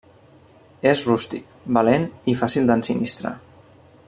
És rústic, valent i fàcil d'ensinistrar.